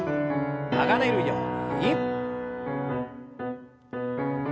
流れるように。